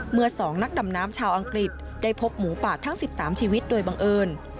เมื่อ๒นักดำน้ำชาวอังกฤษได้พบหมูป่าทั้ง๑๓ชีวิตโดยบังเอิญ